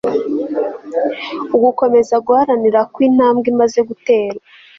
ugukomeza guharanira ko intambwe imaze guterwa